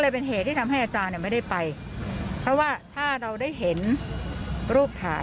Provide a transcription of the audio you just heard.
เพราะว่าถ้าเราได้เห็นรูปถ่าย